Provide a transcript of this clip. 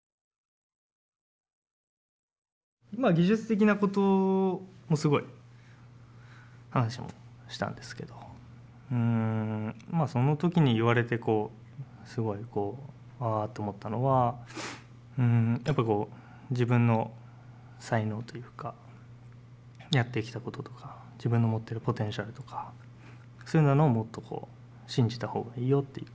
技術的なこともすごい話もしたんですけどその時に言われてすごいああと思ったのはやっぱり自分の才能というかやってきたこととか自分の持ってるポテンシャルとかそういうなのをもっと信じたほうがいいよって。